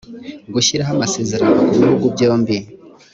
gushyiraho amasezerano kubihugu byombi